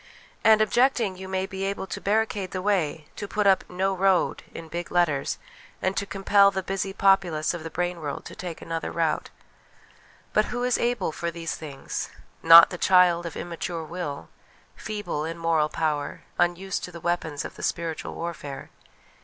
and objecting, you may be able to barricade the way, to put up ' No Road ' in big letters, and to compel the busy populace of the brain world to take another route. But who is able 'HABIT IS TEN NATURES' 109 for these things? Not the child, immature of will, feeble in moral power, unused to the weapons of the spiritual warfare.